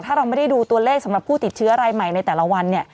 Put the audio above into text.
ถ้าเราไม่ได้ดูตัวเลขสำหรับผู้ติดเชื้อรายใหม่ในแต่ละวันเนี่ย